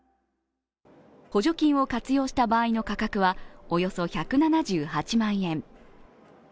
補助金を活用した場合の価格はおよそ１７８万円。